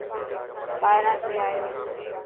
ٻاهران ٿي آيو.